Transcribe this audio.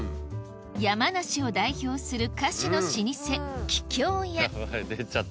山梨を代表する菓子の老舗桔梗屋